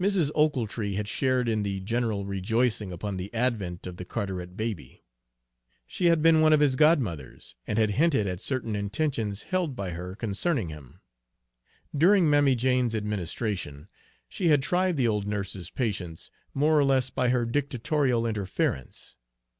Mrs. Ochiltree had shared in the general rejoicing upon the advent of the Carteret baby. She had been one of his godmothers, and had hinted at certain intentions held by her concerning him. During Mammy Jane's administration she had tried the old nurse's patience more or less by her dictatorial interference.